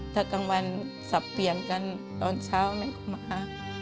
ถ้ากลางวันสับเปลี่ยนกันตอนเช้าแม่ก็มา